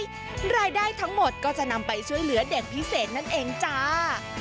รายได้ทั้งหมดก็จะนำไปช่วยเหลือเด็กพิเศษนั่นเองจ้า